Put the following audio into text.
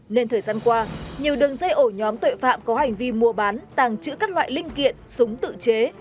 năm qua nhiều đường dây ổ nhóm tội phạm có hành vi mua bán tàng trữ các loại linh kiện súng tự chế